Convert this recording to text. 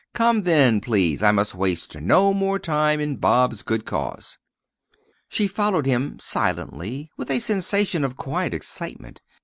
"Come, then, please, I must waste no more time in Bob's good cause." She followed him silently with a sensation of quiet excitement.